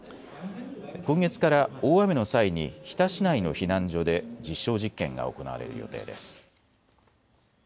今月から大雨の際に日田市内の避難所で実証実験が行われる予定です。